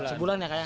sebulan ya kak ya